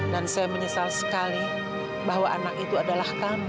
dan saya menyesal sekali bahwa anak itu adalah kamu